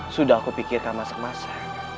sudah aku pikirkan masak masa